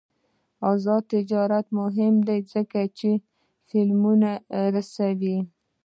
آزاد تجارت مهم دی ځکه چې فلمونه رسوي.